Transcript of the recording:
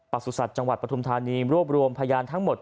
สุสัตว์จังหวัดปฐุมธานีรวบรวมพยานทั้งหมด